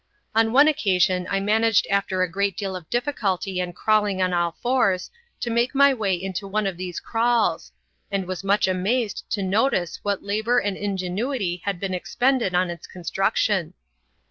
On one occasion I managed after a great deal of difficulty and crawling on all fours to make my way into one of these kraals, and was much amazed to notice what labour and ingenuity had been expended on its construction.